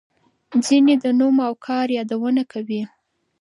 ځینې د نوم او کار یادونه کوي.